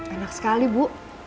enak sekali bu